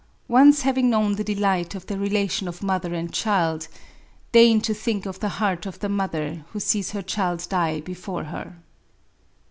..• Once having known the delight of the relation of mother and childy deign to think of the heart of the mother who sees her child die before her!